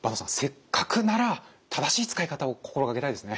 せっかくなら正しい使い方を心掛けたいですね。